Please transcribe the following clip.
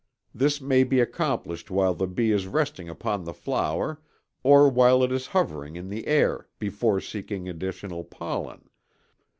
This may be accomplished while the bee is resting upon the flower or while it is hovering in the air before seeking additional pollen.